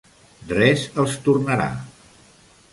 Res els tornarà.